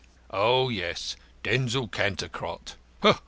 Oh, yes Denzil Cantercot.